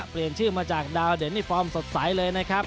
เปลี่ยนชื่อมาจากดาวเด่นนี่ฟอร์มสดใสเลยนะครับ